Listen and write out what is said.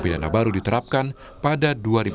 pidana baru diterapkan pada dua ribu dua puluh